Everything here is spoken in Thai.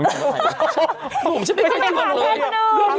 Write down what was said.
ไม่ต้องคุยชื่อก็ได้